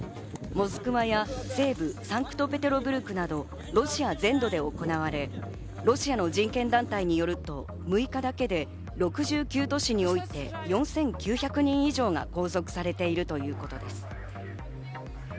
モスクワや、西部サンクトペテルブルクなどロシア全土で行われ、ロシアの人権団体によると６日だけで６９都市において、４９００人以上が拘束されているということです。